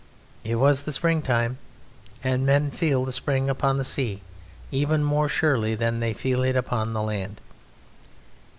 It was the springtime; and men feel the spring upon the sea even more surely than they feel it upon the land.